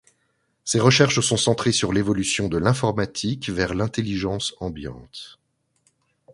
Ses recherches sont centrées sur l'évolution de l'informatique vers l'Intelligence ambiante.